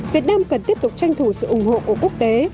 việt nam cần tiếp tục tranh thủ sự ủng hộ của quốc tế